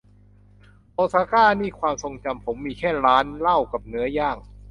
โอซาก้านี่ความทรงจำผมมีแค่ร้านเหล้ากับเนื้อย่าง